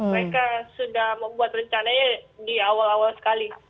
mereka sudah membuat rencananya di awal awal sekali